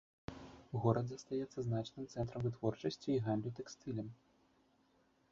Горад застаецца значным цэнтрам вытворчасці і гандлю тэкстылем.